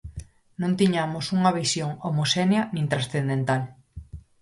Non tiñamos unha visión homoxénea nin transcendental.